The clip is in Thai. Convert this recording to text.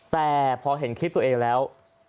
แต่พอเห็นคลิปตัวเองแล้ว